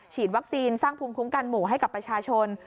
วัคซีนสร้างภูมิคุ้มกันหมู่ให้กับประชาชน